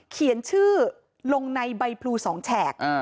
เขียนชื่อลงในใบพลู๒แฉก